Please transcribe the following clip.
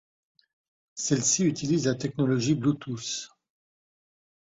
Celle-ci utilise la technologie Bluetooth.